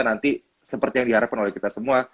nanti seperti yang diharapkan oleh kita semua